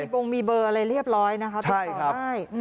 มีโปรงมีเบอร์อะไรเรียบร้อยนะครับที่ขอได้